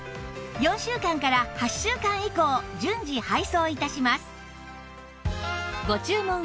４週間から８週間以降順次配送致します